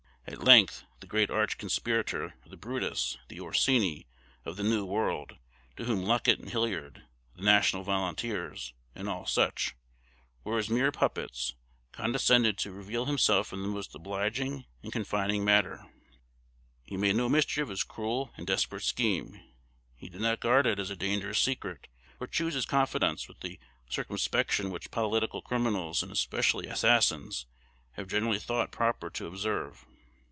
At length the great arch conspirator the Brutus, the Orsini, of the New World, to whom Luckett and Hilliard, the "national volunteers," and all such, were as mere puppets condescended to reveal himself in the most obliging and confiding manner. He made no mystery of his cruel and desperate scheme. He did not guard it as a dangerous secret, or choose his confidants with the circumspection which political criminals, and especially assassins, have generally thought proper to observe.